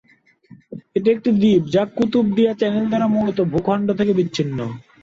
এটি একটি দ্বীপ, যা কুতুবদিয়া চ্যানেল দ্বারা মূল ভূখণ্ড থেকে বিচ্ছিন্ন।